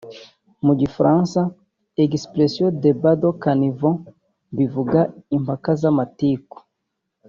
Mu gifaransa expression “debat de caniveau” bivuga impaka z’amatiku